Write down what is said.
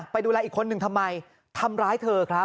ดูแลอีกคนหนึ่งทำไมทำร้ายเธอครับ